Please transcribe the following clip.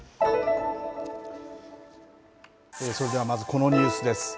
それではまずこのニュースです。